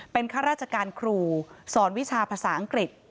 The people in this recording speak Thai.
เป็นข้าราชการครูสอนวิชาภาษาอังกฤษ